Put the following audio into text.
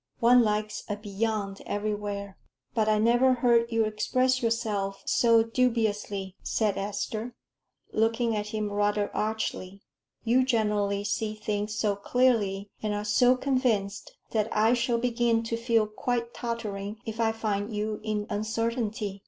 One likes a 'beyond' everywhere. But I never heard you express yourself so dubiously," said Esther, looking at him rather archly: "you generally see things so clearly, and are so convinced, that I shall begin to feel quite tottering if I find you in uncertainty.